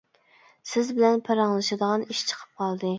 سىز بىلەن پاراڭلىشىدىغان ئىش چىقىپ قالدى.